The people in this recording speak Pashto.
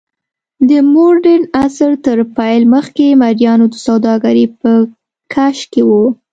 د موډرن عصر تر پیل مخکې مریانو سوداګري په کش کې وه.